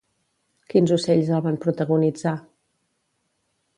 Quins ocells el van protagonitzar?